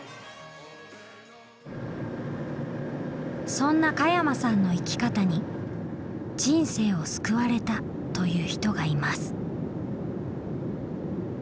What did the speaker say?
そんな加山さんの生き方に人生を救われたという人がいます。